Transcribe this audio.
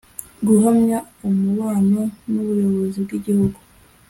guhamya umubano n’ ubuyobozi bw ‘igihugu .